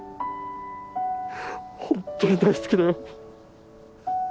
本当に大好きだよ。